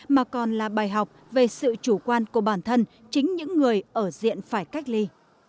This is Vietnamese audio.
mà còn là bài học về sự chủ quan của bản thân chính những người ở diện phải cách ly